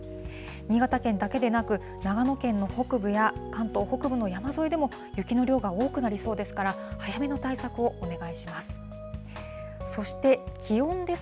新潟県だけでなく、長野県の北部や関東北部の山沿いでも雪の量が多くなりそうですから、早めの対策をお願いします。